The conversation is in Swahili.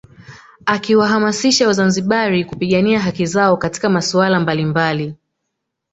Akiwahamasisha wazanzibari kupigania haki zao katika masuala mbalimbali